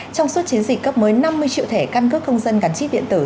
trong suốt chiến dịch cấp mới năm mươi triệu thẻ căn cước công dân gắn chip điện tử